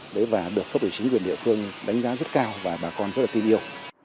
đấy và được cấp ủy chính quyền địa phương đánh giá rất cao và bà con rất là tin yêu